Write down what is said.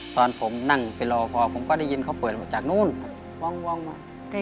ตอนผมนั่งไปรอพอผมก็ได้ยินเขาเปิดหมดจากนู้นครับว่องมา